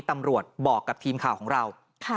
ตำรวจบอกกับทีมข่าวของเรา